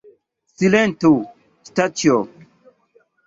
Silentu, Staĉjo!